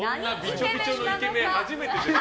こんなびちょびちょのイケメン初めてです。